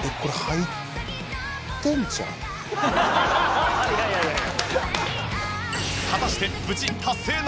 いやいやいやいや。